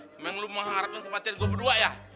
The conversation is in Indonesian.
memang lo mah harapin kematian gw berdua ya